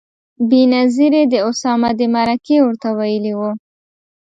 بېنظیرې د اسامه د مرکې ورته ویلي و.